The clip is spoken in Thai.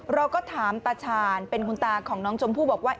เราก็ถามตาชาญเป็นคุณตาของน้องชมพู่บอกว่า